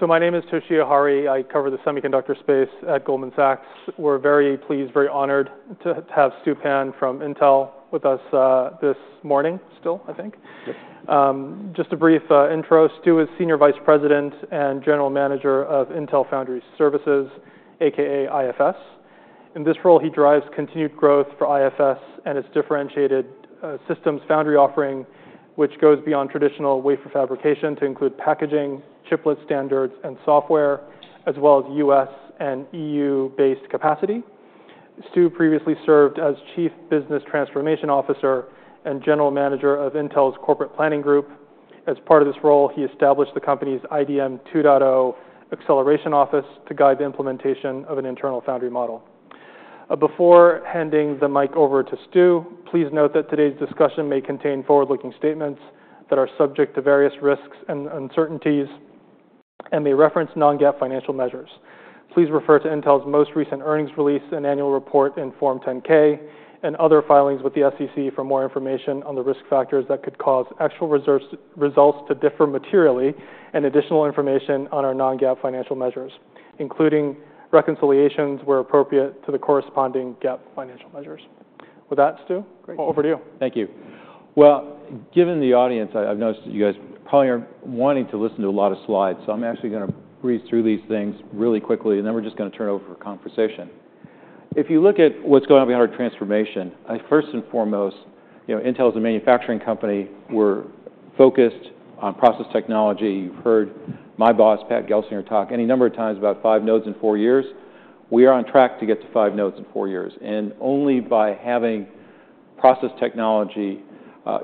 So, my name is Toshiya Hari. I cover the semiconductor space at Goldman Sachs. We're very pleased, very honored to have Stu Pann from Intel with us this morning, still, I think. Yes. Just a brief intro. Stu is Senior Vice President and General Manager of Intel Foundry Services, AKA IFS. In this role, he drives continued growth for IFS and its differentiated systems foundry offering, which goes beyond traditional wafer fabrication to include packaging, chiplet standards, and software, as well as U.S. and E.U.-based capacity. Stu previously served as Chief Business Transformation Officer and General Manager of Intel's Corporate Planning Group. As part of this role, he established the company's IDM 2.0 Acceleration Office to guide the implementation of an internal foundry model. Before handing the mic over to Stu, please note that today's discussion may contain forward-looking statements that are subject to various risks and uncertainties and may reference non-GAAP financial measures. Please refer to Intel's most recent earnings release and annual report in Form 10-K and other filings with the SEC for more information on the risk factors that could cause actual results to differ materially and additional information on our non-GAAP financial measures, including reconciliations where appropriate, to the corresponding GAAP financial measures. With that, Stu well over to you. Thank you. Well, given the audience, I, I've noticed that you guys probably aren't wanting to listen to a lot of slides, so I'm actually gonna breeze through these things really quickly, and then we're just gonna turn it over for conversation. If you look at what's going on behind our transformation, I first and foremost, you know, Intel is a manufacturing company. We're focused on process technology. You've heard my boss, Pat Gelsinger, talk any number of times about 5 nodes in 4 years. We are on track to get to 5 nodes in 4 years, and only by having process technology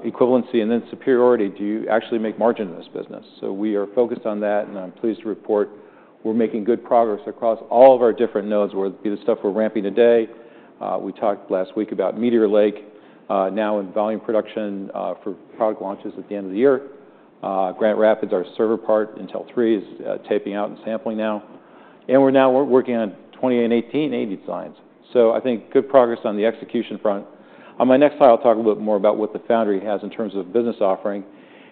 equivalency and then superiority, do you actually make margin in this business. So we are focused on that, and I'm pleased to report we're making good progress across all of our different nodes, where the stuff we're ramping today, we talked last week about Meteor Lake, now in volume production, for product launches at the end of the year. Granite Rapids, our server part, Intel 3, is taping out and sampling now, and we're now working on 20 and 18A designs. So I think good progress on the execution front. On my next slide, I'll talk a little bit more about what the foundry has in terms of business offering.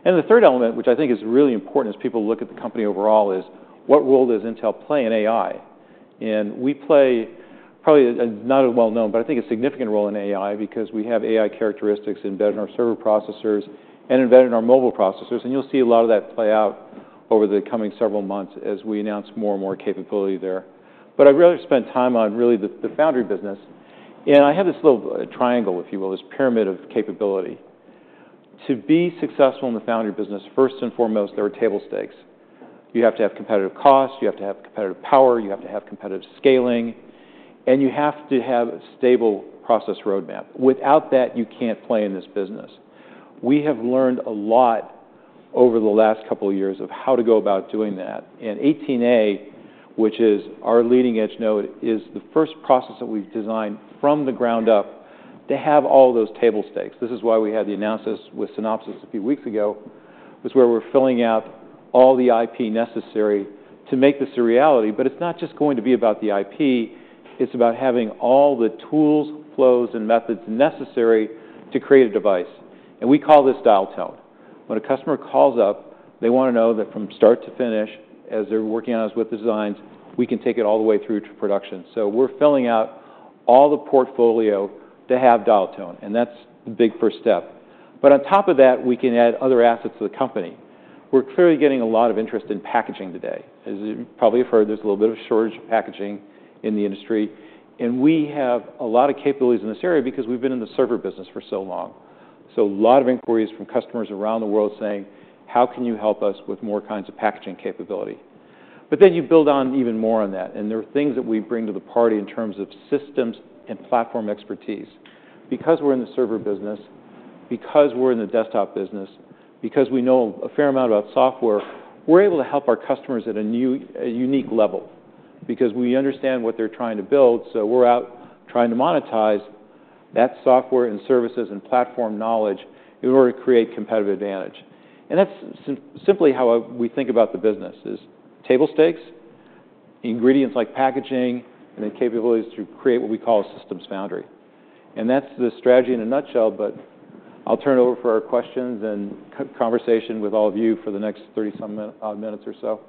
And the third element, which I think is really important as people look at the company overall, is what role does Intel play in AI? We play probably a, not a well-known, but I think a significant role in AI because we have AI characteristics embedded in our server processors and embedded in our mobile processors, and you'll see a lot of that play out over the coming several months as we announce more and more capability there. I'd rather spend time on really the foundry business, and I have this little, triangle, if you will, this pyramid of capability. To be successful in the foundry business, first and foremost, there are table stakes. You have to have competitive cost, you have to have competitive power, you have to have competitive scaling, and you have to have a stable process roadmap. Without that, you can't play in this business. We have learned a lot over the last couple of years of how to go about doing that, and 18A, which is our leading-edge node, is the first process that we've designed from the ground up to have all those table stakes. This is why we had the analysis with Synopsys a few weeks ago. This is where we're filling out all the IP necessary to make this a reality, but it's not just going to be about the IP, it's about having all the tools, flows, and methods necessary to create a device, and we call this dial tone. When a customer calls up, they want to know that from start to finish, as they're working on us with designs, we can take it all the way through to production. So we're filling out all the portfolio to have dial tone, and that's the big first step. But on top of that, we can add other assets to the company. We're clearly getting a lot of interest in packaging today. As you probably have heard, there's a little bit of a shortage of packaging in the industry, and we have a lot of capabilities in this area because we've been in the server business for so long. So a lot of inquiries from customers around the world saying, "How can you help us with more kinds of packaging capability?" But then you build on even more on that, and there are things that we bring to the party in terms of systems and platform expertise. Because we're in the server business, because we're in the desktop business, because we know a fair amount about software, we're able to help our customers at a new, a unique level because we understand what they're trying to build, so we're out trying to monetize that software and services and platform knowledge in order to create competitive advantage. And that's simply how we think about the business is table stakes, ingredients like packaging, and then capabilities to create what we call a systems foundry. And that's the strategy in a nutshell, but I'll turn it over for our questions and conversation with all of you for the next 30-some minutes or so.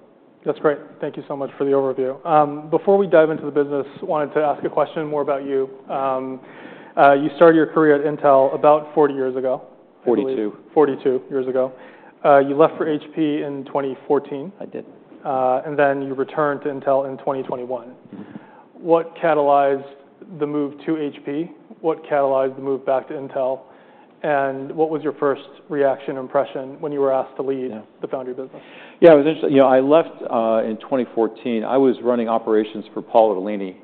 That's great. Thank you so much for the overview. Before we dive into the business, wanted to ask a question more about you. You started your career at Intel about 40 years ago. Forty-two. 42 years ago. You left for HP in 2014. I did. And then you returned to Intel in 2021. What catalyzed the move to HP? What catalyzed the move back to Intel? And what was your first reaction, impression, when you were asked to leadYea the foundry business?, it was interesting. You know, I left in 2014. I was running operations for Paul Otellini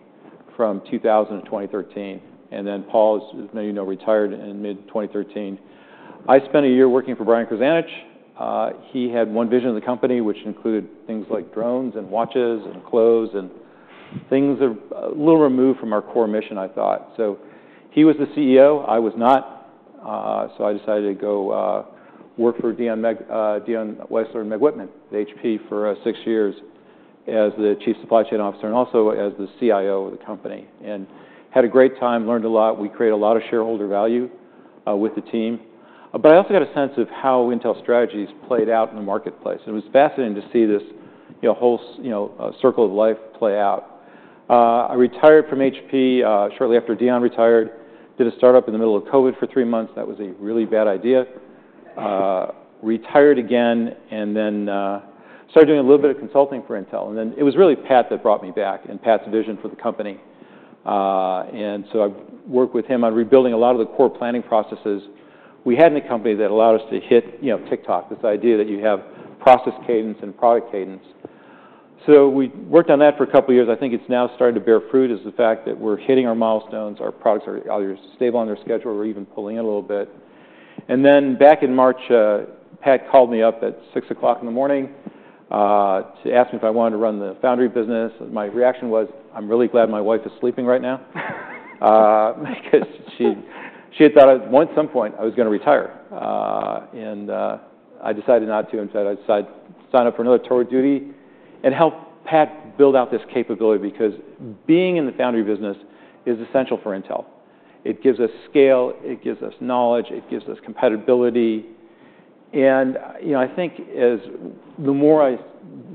from 2000 to 2013, and then Paul, as many of you know, retired in mid-2013. I spent a year working for Brian Krzanich. He had one vision of the company, which included things like drones and watches and clothes and things a little removed from our core mission, I thought. So he was the CEO. I was not, so I decided to go work for Dion Weisler and Meg Whitman at HP for 6 years as the Chief Supply Chain Officer, and also as the CIO of the company, and had a great time, learned a lot. We created a lot of shareholder value with the team. But I also got a sense of how Intel strategies played out in the marketplace, and it was fascinating to see this, you know, whole circle of life play out. I retired from HP shortly after Dion retired, did a startup in the middle of COVID for three months. That was a really bad idea. Retired again, and then started doing a little bit of consulting for Intel, and then it was really Pat that brought me back and Pat's vision for the company. And so I've worked with him on rebuilding a lot of the core planning processes we had in the company that allowed us to hit, you know, tick-tock, this idea that you have process cadence and product cadence. So we worked on that for a couple of years. I think it's now starting to bear fruit, is the fact that we're hitting our milestones, our products are either stable on their schedule or even pulling in a little bit. And then back in March, Pat called me up at 6:00 A.M. to ask me if I wanted to run the foundry business, and my reaction was: I'm really glad my wife is sleeping right now. Because she, she had thought at some point I was gonna retire. And I decided not to, and so I decided to sign up for another tour of duty and help Pat build out this capability, because being in the foundry business is essential for Intel. It gives us scale, it gives us knowledge, it gives us compatibility. And, you know, I think as the more I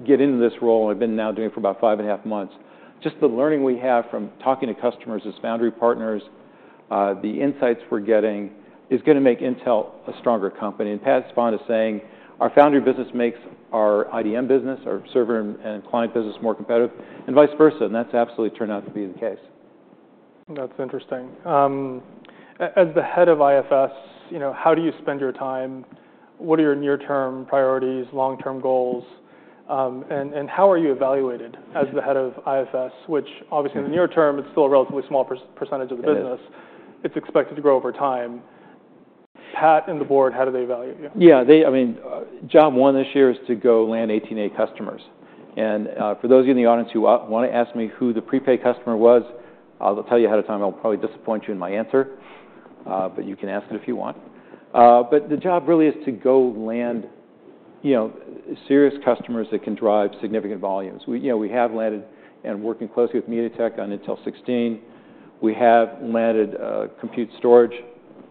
get into this role, I've been now doing it for about five and a half months, just the learning we have from talking to customers as foundry partners, the insights we're getting is gonna make Intel a stronger company. And Pat's fond of saying, "Our foundry business makes our IDM business, our server and, and client business, more competitive," and vice versa, and that's absolutely turned out to be the case. That's interesting. As the head of IFS, you know, how do you spend your time? What are your near-term priorities, long-term goals, and how are you evaluated as the head of IFS, which obviously in the near term, it's still a relatively small percentage of the business. It is. It's expected to grow over time. Pat and the board, how do they evaluate you?, I mean, job one this year is to go land Intel 18A customers. And, for those of you in the audience who wanna ask me who the prepaid customer was, I'll tell you ahead of time, I'll probably disappoint you in my answer, but you can ask it if you want. But the job really is to go land, you know, serious customers that can drive significant volumes. We, you know, we have landed and working closely with MediaTek on Intel 16. We have landed a compute storage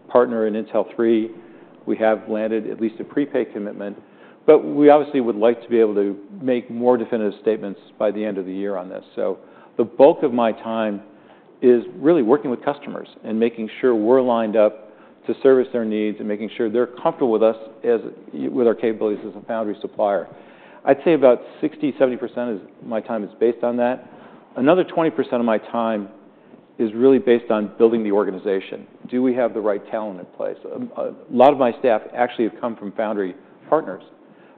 partner in Intel 3. We have landed at least a prepay commitment, but we obviously would like to be able to make more definitive statements by the end of the year on this. So the bulk of my time is really working with customers and making sure we're lined up to service their needs and making sure they're comfortable with us as with our capabilities as a foundry supplier. I'd say about 60-70% of my time is based on that. Another 20% of my time is really based on building the organization. Do we have the right talent in place? A lot of my staff actually have come from foundry partners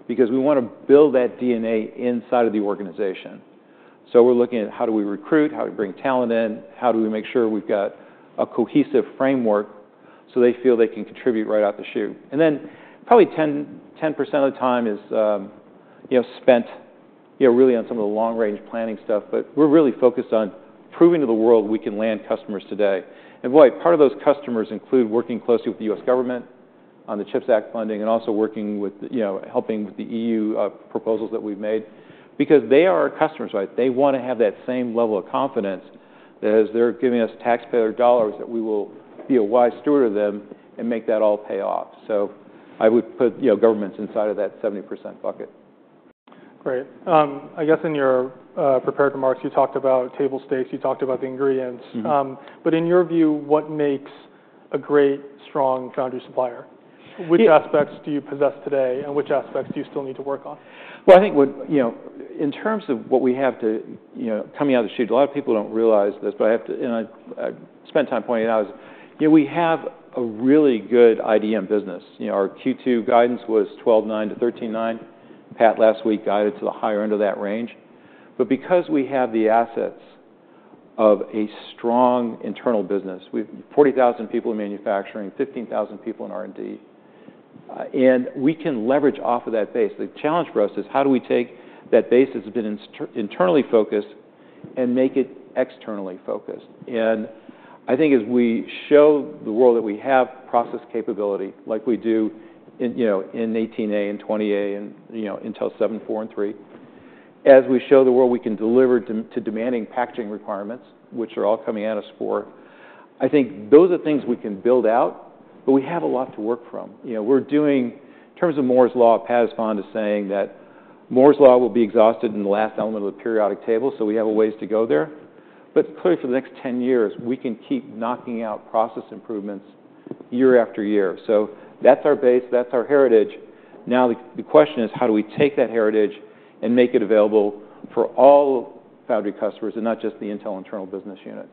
because we want to build that DNA inside of the organization. So we're looking at how do we recruit, how do we bring talent in, how do we make sure we've got a cohesive framework so they feel they can contribute right out the chute. And then probably 10, 10% of the time is, you know, spent, you know, really on some of the long-range planning stuff, but we're really focused on proving to the world we can land customers today. And boy, part of those customers include working closely with the U.S. government on the CHIPS Act funding and also working with, you know, helping with the EU proposals that we've made, because they are our customers, right? They want to have that same level of confidence that as they're giving us taxpayer dollars, that we will be a wise steward of them and make that all pay off. So I would put, you know, governments inside of that 70% bucket. Great. I guess in your prepared remarks, you talked about table stakes, you talked about the ingredients.. In your view, what makes a great, strong foundry supplier? - Which aspects do you possess today, and which aspects do you still need to work on? Well, I think what, you know, in terms of what we have to, you know, coming out of the chute, a lot of people don't realize this, but I have to, and I spent time pointing it out, is, you know, we have a really good IDM business. You know, our Q2 guidance was $12.9 billion-$13.9 billion. Pat last week guided to the higher end of that range. But because we have the assets of a strong internal business, we've 40,000 people in manufacturing, 15,000 people in R&D, and we can leverage off of that base. The challenge for us is how do we take that base that's been internally focused and make it externally focused? And I think as we show the world that we have process capability, like we do in, you know, in 18A and 20A, and, you know, Intel 7, 4, and 3, as we show the world we can deliver to, to demanding packaging requirements, which are all coming out of Singapore, I think those are things we can build out, but we have a lot to work from. You know, we're doing, in terms of Moore's Law, Pat is fond of saying that Moore's Law will be exhausted in the last element of the periodic table, so we have a ways to go there. But clearly, for the next 10 years, we can keep knocking out process improvements year after year. So that's our base, that's our heritage. Now, the question is: how do we take that heritage and make it available for all foundry customers and not just the Intel internal business units?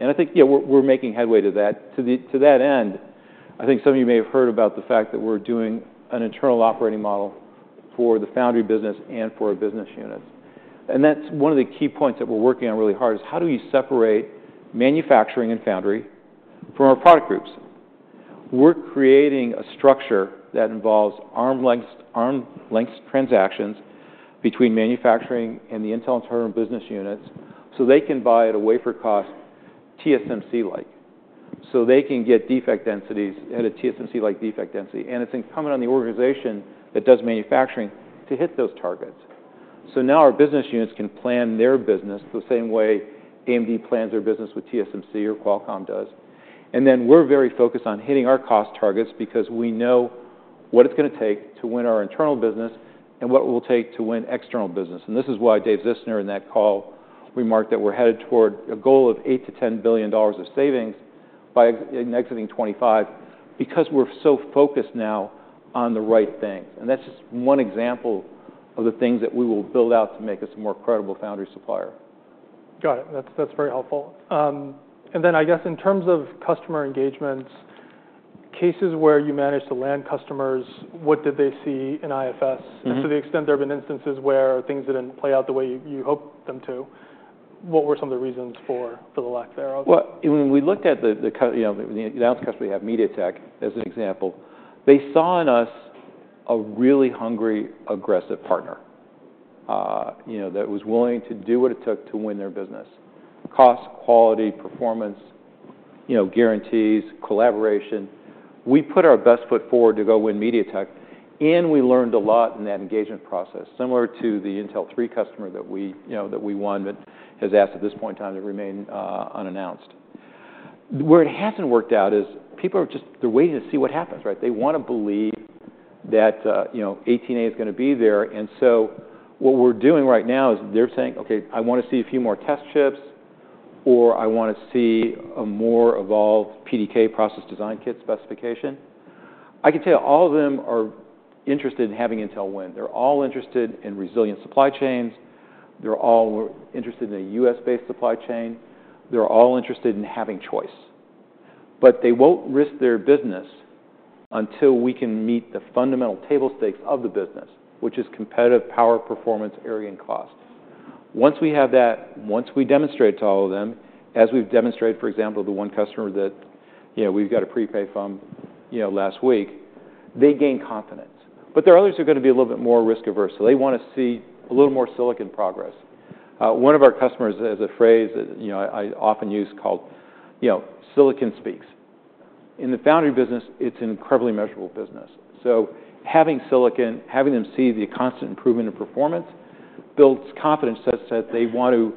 And I think,, we're making headway to that. To that end, I think some of you may have heard about the fact that we're doing an internal operating model for the foundry business and for our business units. And that's one of the key points that we're working on really hard, is how do you separate manufacturing and foundry from our product groups? We're creating a structure that involves arm's-length transactions between manufacturing and the Intel internal business units, so they can buy at a wafer cost, TSMC-like... so they can get defect densities at a TSMC-like defect density, and it's incumbent on the organization that does manufacturing to hit those targets. So now our business units can plan their business the same way AMD plans their business with TSMC or Qualcomm does, and then we're very focused on hitting our cost targets because we know what it's gonna take to win our internal business and what it will take to win external business. And this is why Dave Zinsner, in that call, remarked that we're headed toward a goal of $8 billion-$10 billion of savings by exiting 2025, because we're so focused now on the right things, and that's just one example of the things that we will build out to make us a more credible foundry supplier. Got it. That's, that's very helpful. And then I guess in terms of customer engagements, cases where you managed to land customers, what did they see in IFS? To the extent there have been instances where things didn't play out the way you hoped them to, what were some of the reasons for the lack thereof? Well, when we looked at the announced customer, we have MediaTek as an example, they saw in us a really hungry, aggressive partner, you know, that was willing to do what it took to win their business. Cost, quality, performance, you know, guarantees, collaboration. We put our best foot forward to go win MediaTek, and we learned a lot in that engagement process, similar to the Intel 3 customer that we, you know, that we won, but has asked at this point in time to remain unannounced. Where it hasn't worked out is people are just, they're waiting to see what happens, right? They wanna believe that, you know, 18A is gonna be there, and so what we're doing right now is they're saying, "Okay, I want to see a few more test chips," or, "I want to see a more evolved PDK process design kit specification." I can tell you, all of them are interested in having Intel win. They're all interested in resilient supply chains. They're all interested in a U.S.-based supply chain. They're all interested in having choice, but they won't risk their business until we can meet the fundamental table stakes of the business, which is competitive power, performance, area, and cost. Once we have that, once we demonstrate to all of them, as we've demonstrated, for example, the one customer that, you know, we've got a prepay from, you know, last week, they gain confidence. But there are others who are gonna be a little bit more risk-averse, so they want to see a little more silicon progress. One of our customers has a phrase that, you know, I often use called, you know, silicon speaks. In the foundry business, it's an incredibly measurable business, so having silicon, having them see the constant improvement in performance builds confidence such that they want to,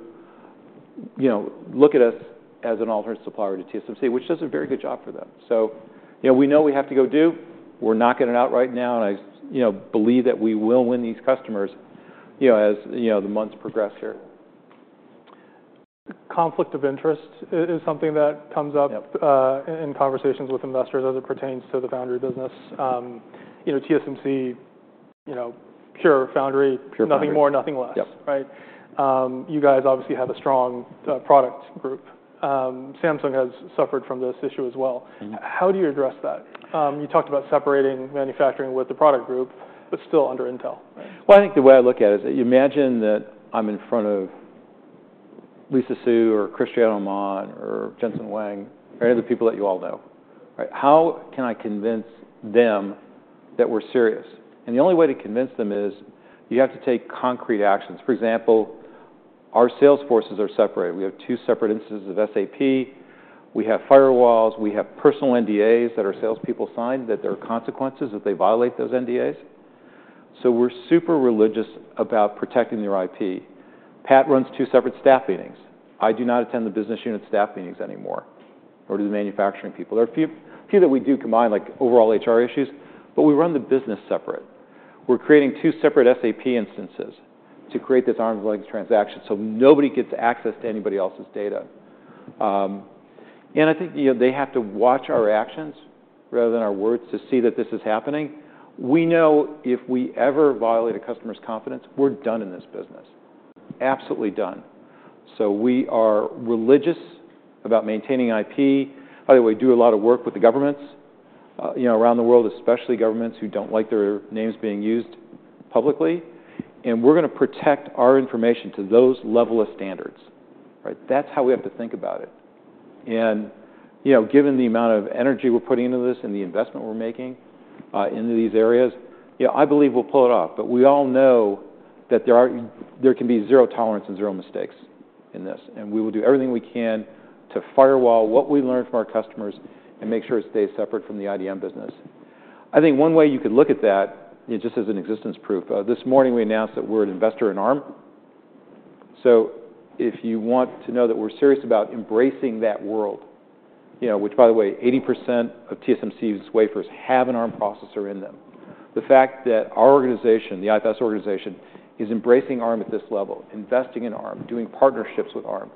you know, look at us as an alternate supplier to TSMC, which does a very good job for them. So, you know, we know we have to go do, we're knocking it out right now, and I you know, believe that we will win these customers, you know, as, you know, the months progress here. Conflict of interest is something that comes up- Yep... in conversations with investors as it pertains to the foundry business. You know, TSMC, you know, pure foundry. Pure foundry. Nothing more, nothing less. Yep. Right? You guys obviously have a strong product group. Samsung has suffered from this issue as well. How do you address that? You talked about separating manufacturing with the product group, but still under Intel, right? Well, I think the way I look at it is that you imagine that I'm in front of Lisa Su or Cristiano Amon or Jensen Huang, or the people that you all know, right? How can I convince them that we're serious? The only way to convince them is you have to take concrete actions. For example, our sales forces are separated. We have two separate instances of SAP. We have firewalls, we have personal NDAs that our salespeople sign, that there are consequences if they violate those NDAs. We're super religious about protecting their IP. Pat runs two separate staff meetings. I do not attend the business unit staff meetings anymore, or do the manufacturing people. There are a few, few that we do combine, like overall HR issues, but we run the business separate. We're creating two separate SAP instances to create this arm's length transaction, so nobody gets access to anybody else's data. And I think, you know, they have to watch our actions rather than our words, to see that this is happening. We know if we ever violate a customer's confidence, we're done in this business. Absolutely done. So we are religious about maintaining IP. By the way, we do a lot of work with the governments, you know, around the world, especially governments who don't like their names being used publicly, and we're gonna protect our information to those level of standards, right? That's how we have to think about it. And, you know, given the amount of energy we're putting into this and the investment we're making, into these areas, you know, I believe we'll pull it off. But we all know that there are- there can be zero tolerance and zero mistakes in this, and we will do everything we can to firewall what we learn from our customers and make sure it stays separate from the IDM business. I think one way you could look at that, just as an existence proof, this morning, we announced that we're an investor in Arm. So if you want to know that we're serious about embracing that world, you know, which by the way, 80% of TSMC's wafers have an Arm processor in them. The fact that our organization, the IFS organization, is embracing Arm at this level, investing in Arm, doing partnerships with Arm,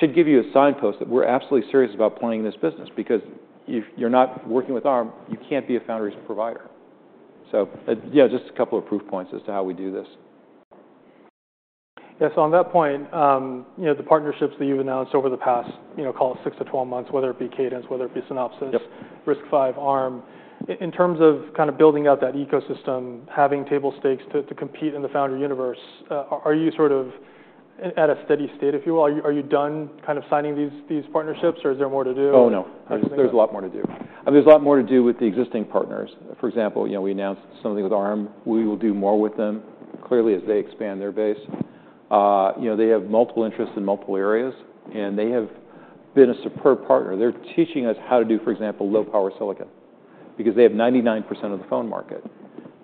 should give you a signpost that we're absolutely serious about playing in this business, because if you're not working with Arm, you can't be a foundries provider., just a couple of proof points as to how we do this.. So on that point, you know, the partnerships that you've announced over the past, you know, call it 6-12 months, whether it be Cadence, whether it be Synopsys RISC-V, Arm, in terms of kind of building out that ecosystem, having table stakes to compete in the foundry universe, are you sort of at a steady state, if you will? Are you done kind of signing these partnerships, or is there more to do? Oh, no, there's a lot more to do. I mean, there's a lot more to do with the existing partners. For example, you know, we announced something with Arm. We will do more with them, clearly, as they expand their base... you know, they have multiple interests in multiple areas, and they have been a superb partner. They're teaching us how to do, for example, low-power silicon, because they have 99% of the phone market.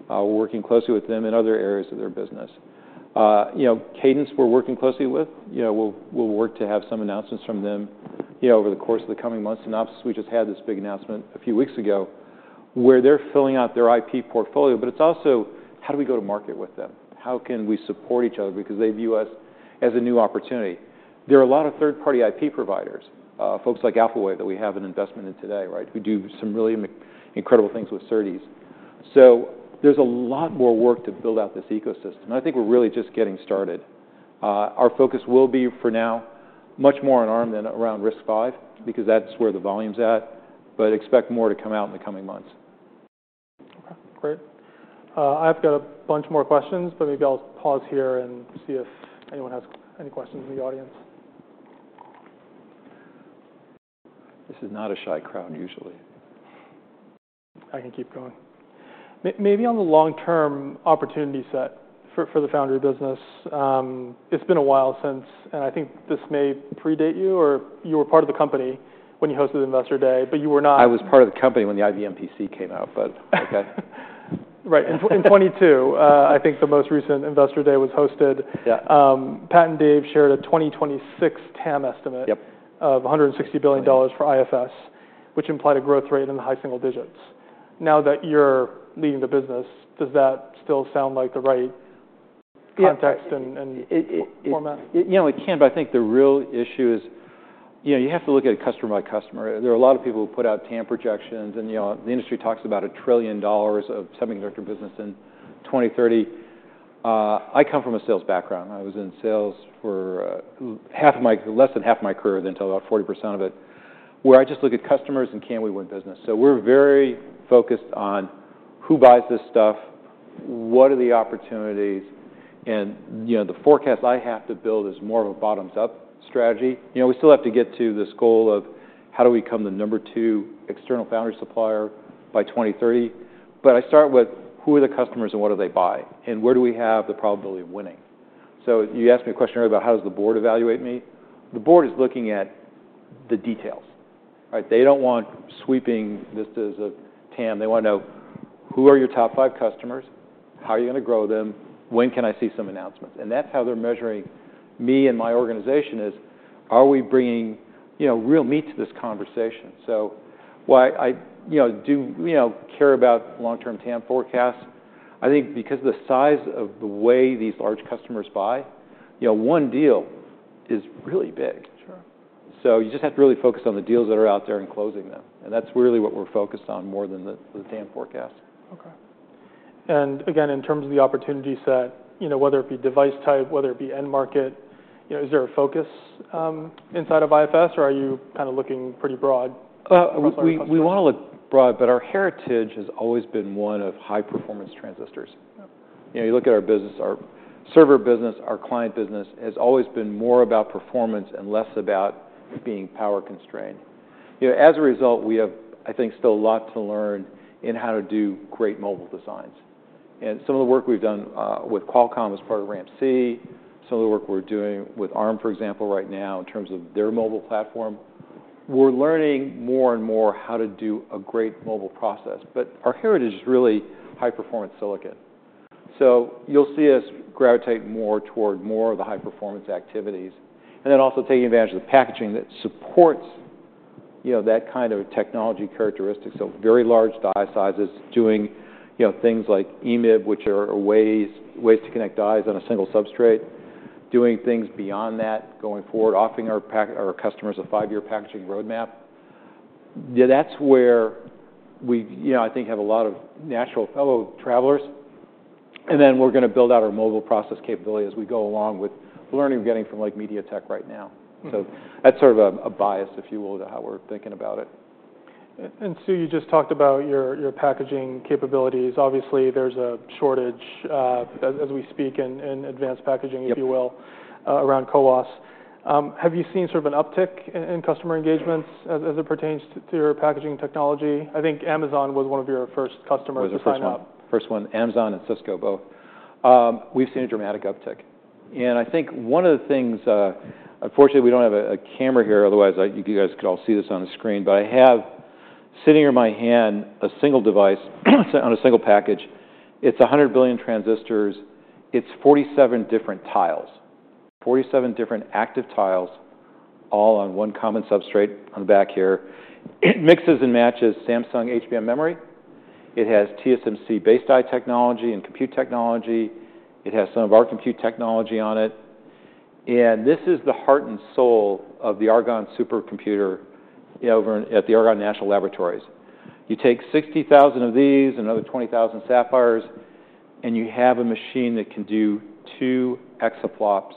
We're working closely with them in other areas of their business. You know, Cadence, we're working closely with. You know, we'll, we'll work to have some announcements from them, you know, over the course of the coming months. Synopsys, we just had this big announcement a few weeks ago, where they're filling out their IP portfolio, but it's also, how do we go to market with them? How can we support each other? Because they view us as a new opportunity. There are a lot of third-party IP providers, folks like Alphawave, that we have an investment in today, right, who do some really incredible things with SerDes. So there's a lot more work to build out this ecosystem, and I think we're really just getting started. Our focus will be, for now, much more on Arm than around RISC-V, because that's where the volume's at, but expect more to come out in the coming months. Okay, great. I've got a bunch more questions, but maybe I'll pause here and see if anyone has any questions in the audience. This is not a shy crowd, usually. I can keep going. Maybe on the long-term opportunity set for the foundry business, it's been a while since, and I think this may predate you, or you were part of the company when you hosted Investor Day, but you were not- I was part of the company when the IBM PC came out, but okay. Right, in 2022, I think the most recent Investor Day was hosted. Pat and Dave shared a 2026 TAM estimate $160 billion for IFS, which implied a growth rate in the high single digits. Now that you're leading the business, does that still sound like the right context and format? You know, it can, but I think the real issue is, you know, you have to look at it customer by customer. There are a lot of people who put out TAM projections, and, you know, the industry talks about $1 trillion of semiconductor business in 2030. I come from a sales background. I was in sales for, less than half my career, then till about 40% of it, where I just look at customers and can we win business? So we're very focused on who buys this stuff, what are the opportunities, and, you know, the forecast I have to build is more of a bottoms-up strategy. You know, we still have to get to this goal of how do we become the number two external foundry supplier by 2030. But I start with, who are the customers and what do they buy, and where do we have the probability of winning? So you asked me a question earlier about how does the board evaluate me. The board is looking at the details, right? They don't want sweeping vistas of TAM. They want to know, who are your top five customers? How are you going to grow them? When can I see some announcements? And that's how they're measuring me and my organization, is are we bringing, you know, real meat to this conversation? So while I, I, you know, do, you know, care about long-term TAM forecasts, I think because of the size of the way these large customers buy, you know, one deal is really big. Sure. So you just have to really focus on the deals that are out there and closing them, and that's really what we're focused on, more than the TAM forecast. Okay. And again, in terms of the opportunity set, you know, whether it be device type, whether it be end market, you know, is there a focus inside of IFS, or are you kind of looking pretty broad? We want to look broad, but our heritage has always been one of high-performance transistors. You know, you look at our business, our server business, our client business has always been more about performance and less about being power-constrained. You know, as a result, we have, I think, still a lot to learn in how to do great mobile designs. And some of the work we've done with Qualcomm as part of RAMP-C, some of the work we're doing with Arm, for example, right now, in terms of their mobile platform, we're learning more and more how to do a great mobile process. But our heritage is really high-performance silicon. So you'll see us gravitate more toward more of the high-performance activities, and then also taking advantage of the packaging that supports, you know, that kind of technology characteristics, so very large die sizes, doing, you know, things like EMIB, which are ways, ways to connect dies on a single substrate, doing things beyond that going forward, offering our customers a five-year packaging roadmap., that's where we, you know, I think, have a lot of natural fellow travelers, and then we're gonna build out our mobile process capability as we go along with the learning we're getting from, like, MediaTek right now. So that's sort of a bias, if you will, to how we're thinking about it. So you just talked about your packaging capabilities. Obviously, there's a shortage as we speak in advanced packagin if you will, around CoWoS. Have you seen sort of an uptick in customer engagements as it pertains to your packaging technology? I think Amazon was one of your first customers- Was the first one. - to sign up. First one. Amazon and Cisco both. We've seen a dramatic uptick, and I think one of the things, unfortunately, we don't have a camera here, otherwise, you guys could all see this on the screen, but I have, sitting in my hand, a single device on a single package. It's 100 billion transistors. It's 47 different tiles, 47 different active tiles, all on one common substrate on the back here. It mixes and matches Samsung HBM memory. It has TSMC-based I/O technology and compute technology. It has some of our compute technology on it, and this is the heart and soul of the Argonne supercomputer, you know, over in—at the Argonne National Laboratory. You take 60,000 of these, another 20,000 Sapphires, and you have a machine that can do 2 exaflops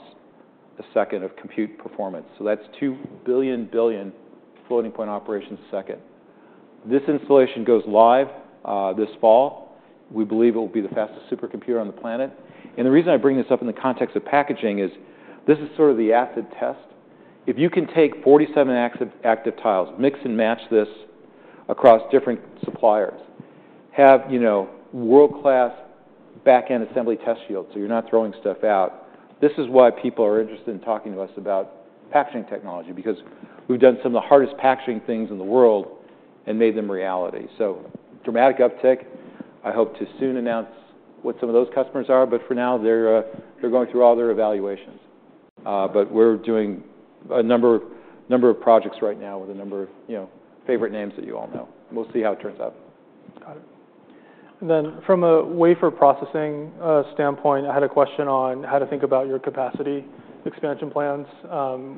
a second of compute performance, so that's 2 billion billion floating-point operations a second. This installation goes live this fall. We believe it will be the fastest supercomputer on the planet, and the reason I bring this up in the context of packaging is this is sort of the acid test. If you can take 47 active, active tiles, mix and match this across different suppliers, have, you know, world-class back-end assembly test fields, so you're not throwing stuff out. This is why people are interested in talking to us about packaging technology, because we've done some of the hardest packaging things in the world and made them reality. So dramatic uptick. I hope to soon announce what some of those customers are, but for now, they're going through all their evaluations. But we're doing a number of projects right now with a number of, you know, favorite names that you all know. We'll see how it turns out. Got it. And then from a wafer processing standpoint, I had a question on how to think about your capacity expansion plans.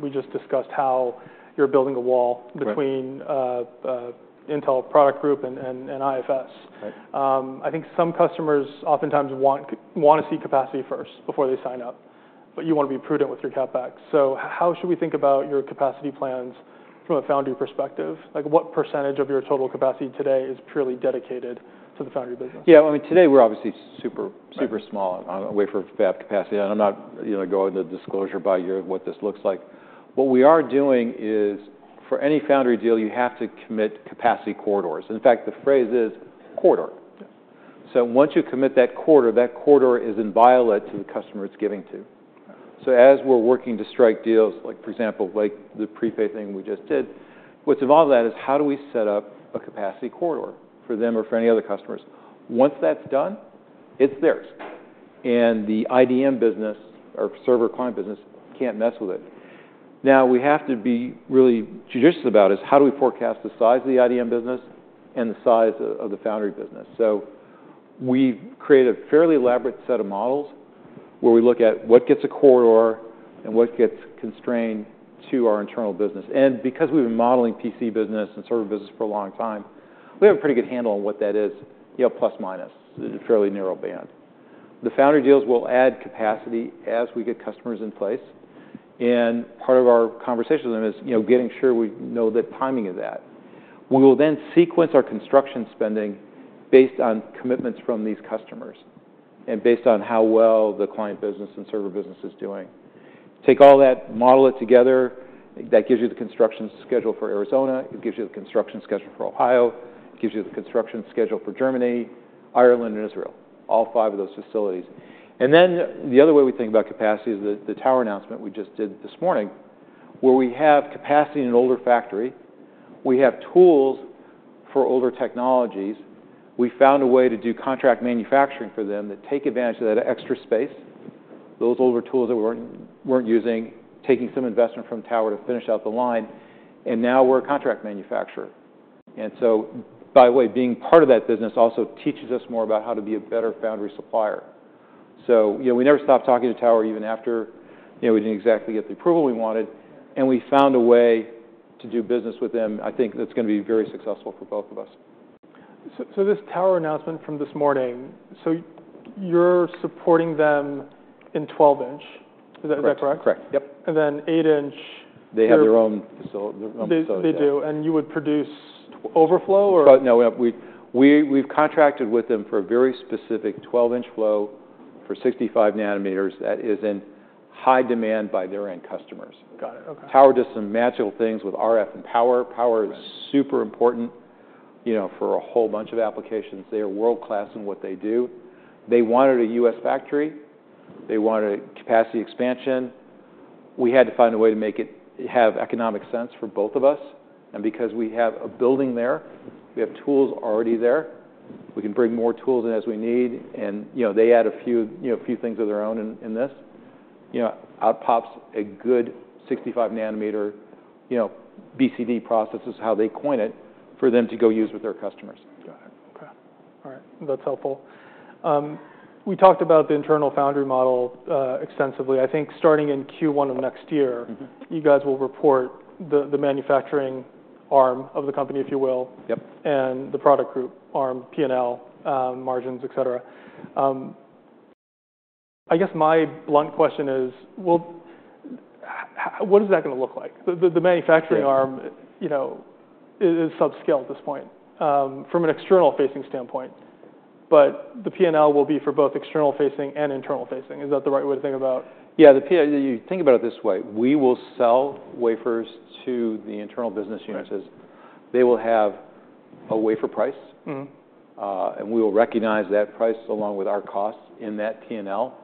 We just discussed how you're building a wall- Right - between Intel product group and IFS. Right. I think some customers oftentimes want to see capacity first before they sign up, but you want to be prudent with your CapEx. So how should we think about your capacity plans from a foundry perspective? Like, what percentage of your total capacity today is purely dedicated to the foundry business?, I mean, today, we're obviously super- Right... super small on a wafer fab capacity, and I'm not, you know, going to disclose by year what this looks like. What we are doing is, for any foundry deal, you have to commit capacity corridors. In fact, the phrase is corridor. Once you commit that corridor, that corridor is inviolate to the customer it's giving to. Okay. So as we're working to strike deals, like, for example, like the prepay thing we just did, what's involved in that is how do we set up a capacity corridor for them or for any other customers? Once that's done, it's theirs, and the IDM business or server client business can't mess with it. Now, we have to be really judicious about is how do we forecast the size of the IDM business and the size of the foundry business? So we've created a fairly elaborate set of models where we look at what gets a corridor and what gets constrained to our internal business. And because we've been modeling PC business and server business for a long time, we have a pretty good handle on what that is, you know, plus, minus. It's a fairly narrow band. The foundry deals will add capacity as we get customers in place, and part of our conversation with them is you know, getting sure we know the timing of that. We will then sequence our construction spending based on commitments from these customers and based on how well the client business and server business is doing. Take all that, model it together, that gives you the construction schedule for Arizona, it gives you the construction schedule for Ohio, it gives you the construction schedule for Germany, Ireland, and Israel, all five of those facilities. And then the other way we think about capacity is the Tower announcement we just did this morning, where we have capacity in an older factory. We have tools for older technologies. We found a way to do contract manufacturing for them that take advantage of that extra space, those older tools that we weren't using, taking some investment from Tower to finish out the line, and now we're a contract manufacturer. So by the way, being part of that business also teaches us more about how to be a better foundry supplier. So, you know, we never stopped talking to Tower, even after, you know, we didn't exactly get the approval we wanted, and we found a way to do business with them. I think that's gonna be very successful for both of us. So, so this Tower announcement from this morning, so you're supporting them in 12-inch. Is that correct? Right. Correct. Yep. And then 8-inch- They have their own facility. They, they do, and you would produce overflow, or? No, we've contracted with them for a very specific 12-inch flow for 65 nanometers that is in high demand by their end customers. Got it. Okay. Tower does some magical things with RF and power. Right. Power is super important, you know, for a whole bunch of applications. They are world-class in what they do. They wanted a U.S. factory. They wanted capacity expansion. We had to find a way to make it have economic sense for both of us, and because we have a building there, we have tools already there, we can bring more tools in as we need, and, you know, they add a few, you know, a few things of their own in, in this, you know, out pops a good 65-nanometer, you know, BCD process is how they coin it, for them to go use with their customers. Got it. Okay. All right, that's helpful. We talked about the internal foundry model, extensively. I think starting in Q1 of next year... you guys will report the manufacturing arm of the company, if you will and the product group arm, P&L, margins, et cetera. I guess my blunt question is: well, what is that gonna look like? The manufacturing arm you know, is subscale at this point, from an external-facing standpoint, but the P&L will be for both external facing and internal facing. Is that the right way to think about- , think about it this way. We will sell wafers to the internal business units. Right. They will have a wafer price. And we will recognize that price along with our costs in that P&L,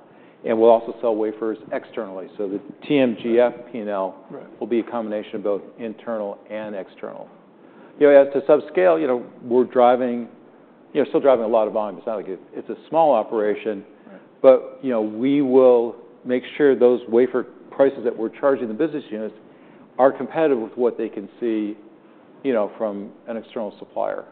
and we'll also sell wafers externally. So the TMGF P&L- Right... will be a combination of both internal and external. You know, as to subscale, you know, we're driving, you know, still driving a lot of volume. It's not like it... It's a small operation- Right... but, you know, we will make sure those wafer prices that we're charging the business units are competitive with what they can see, you know, from an external supplier.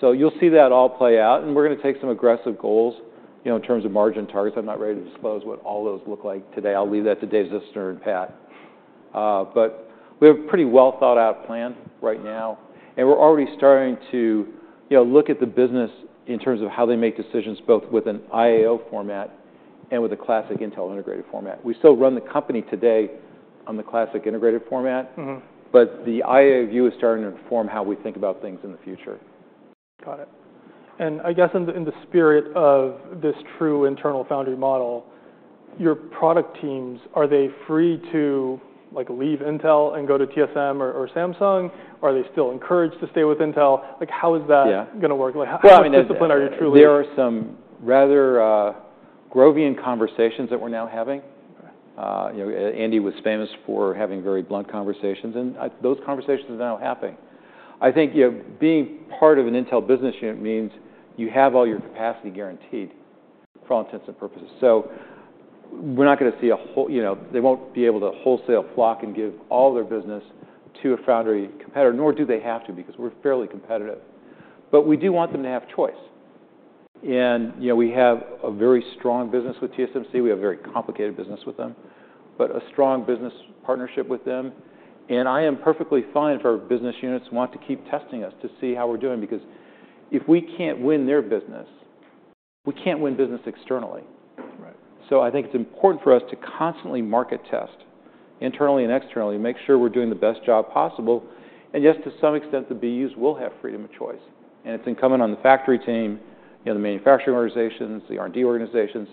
So you'll see that all play out, and we're gonna take some aggressive goals, you know, in terms of margin targets. I'm not ready to disclose what all those look like today. I'll leave that to Dave Zinsner and Pat. But we have a pretty well-thought-out plan right now, and we're already starting to, you know, look at the business in terms of how they make decisions, both with an IFS format and with a classic Intel integrated format. We still run the company today on the classic integrated format. But the IAO view is starting to inform how we think about things in the future. Got it. And I guess in the, in the spirit of this true internal foundry model... your product teams, are they free to, like, leave Intel and go to TSM or, or Samsung? Or are they still encouraged to stay with Intel? Like, how is that? gonna work? Like, how much Well, I mean, it- Discipline are you truly? There are some rather, Grovian conversations that we're now having. Okay. You know, Andy was famous for having very blunt conversations, and those conversations are now happening. I think, you know, being part of an Intel business unit means you have all your capacity guaranteed, for all intents and purposes. So we're not gonna see a whole- you know, they won't be able to wholesale flock and give all their business to a foundry competitor, nor do they have to, because we're fairly competitive. But we do want them to have choice. And, you know, we have a very strong business with TSMC. We have a very complicated business with them, but a strong business partnership with them. And I am perfectly fine if our business units want to keep testing us to see how we're doing, because if we can't win their business, we can't win business externally. Right. So I think it's important for us to constantly market test internally and externally, make sure we're doing the best job possible, and yes, to some extent, the BUs will have freedom of choice. And it's incumbent on the factory team, you know, the manufacturing organizations, the R&D organizations,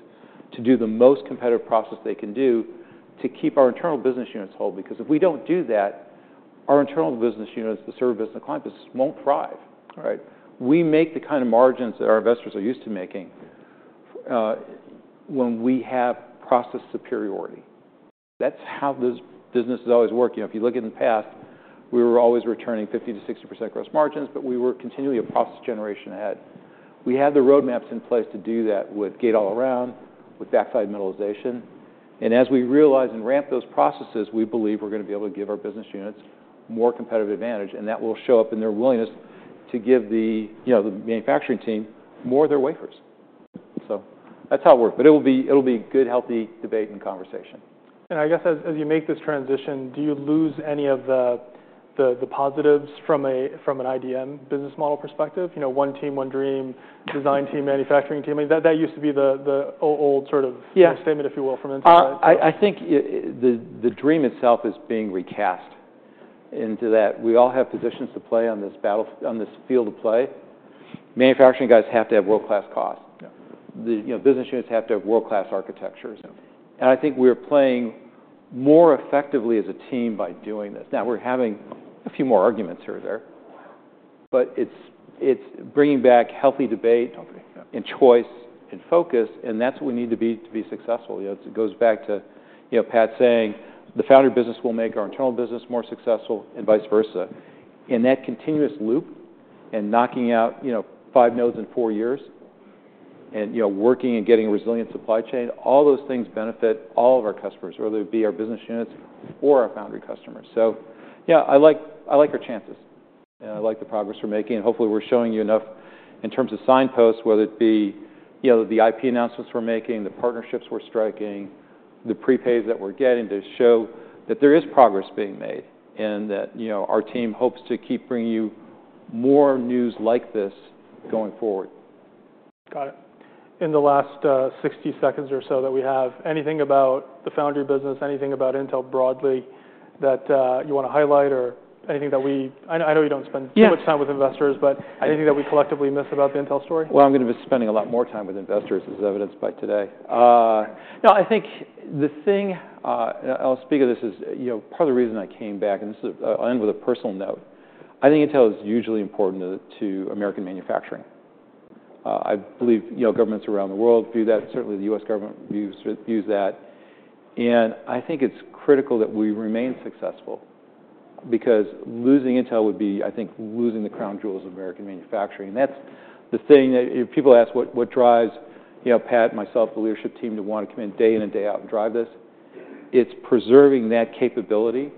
to do the most competitive process they can do to keep our internal business units whole. Because if we don't do that, our internal business units, the service and the client business, won't thrive. Right. We make the kind of margins that our investors are used to making, when we have process superiority. That's how this business has always worked. You know, if you look in the past, we were always returning 50%-60% gross margins, but we were continually a process generation ahead. We have the roadmaps in place to do that with Gate-All-Around, with backside metallization, and as we realize and ramp those processes, we believe we're gonna be able to give our business units more competitive advantage, and that will show up in their willingness to give the, you know, the manufacturing team more of their wafers. So that's how it works, but it'll be, it'll be good, healthy debate and conversation. And I guess as you make this transition, do you lose any of the positives from an IDM business model perspective? You know, one team, one dream, design team, manufacturing team. I mean, that used to be the old sort of- Statement, if you will, from Intel. I think the dream itself is being recast into that. We all have positions to play on this field of play. Manufacturing guys have to have world-class cost. You know, the business units have to have world-class architectures. I think we're playing more effectively as a team by doing this. Now, we're having a few more arguments here and there, but it's bringing back healthy debate- Okay,. and choice and focus, and that's what we need to be to be successful. You know, it goes back to, you know, Pat saying, "The foundry business will make our internal business more successful and vice versa." In that continuous loop and knocking out, you know, five nodes in four years and, you know, working and getting a resilient supply chain, all those things benefit all of our customers, whether it be our business units or our foundry customers. So, I like, I like our chances, and I like the progress we're making, and hopefully, we're showing you enough in terms of signposts, whether it be, you know, the IP announcements we're making, the partnerships we're striking, the prepays that we're getting to show that there is progress being made and that, you know, our team hopes to keep bringing you more news like this going forward. Got it. In the last, 60 seconds or so that we have, anything about the foundry business, anything about Intel broadly that, you wanna highlight or anything that we... I know, I know you don't spend too much time with investors, but anything that we collectively miss about the Intel story? Well, I'm gonna be spending a lot more time with investors, as evidenced by today. No, I think the thing, and I'll speak of this, is, you know, part of the reason I came back, and this is, I'll end with a personal note. I think Intel is usually important to American manufacturing. I believe, you know, governments around the world view that. Certainly, the U.S. government views that. And I think it's critical that we remain successful, because losing Intel would be, I think, losing the crown jewels of American manufacturing. And that's the thing that, if people ask what, what drives, you know, Pat, myself, the leadership team to want to come in day in and day out and drive this, it's preserving that capability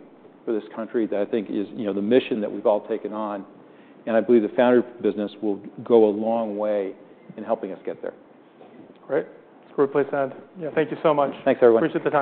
for this country that I think is, you know, the mission that we've all taken on, and I believe the foundry business will go a long way in helping us get there. Great. It's a great place to end. Thank you so much. Thanks, everyone. Appreciate the time.